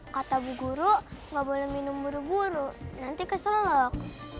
kata bu guru gak boleh minum buru buru nanti ke solok